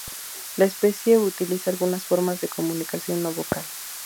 La especie utiliza algunas formas de comunicación no vocal.